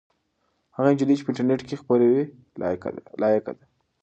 هغه نجلۍ چې په انټرنيټ کې خپروي لایقه ده.